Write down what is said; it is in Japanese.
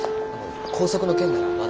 校則の件ならまだ。